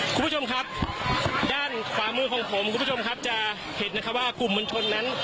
คุณผู้ชมครับด้านขวามือของผมคุณผู้ชมครับจะเห็นนะคะว่ากลุ่มมวลชนนั้น